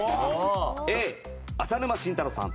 Ａ、浅沼晋太郎さん